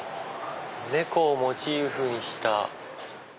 猫をモチーフにした。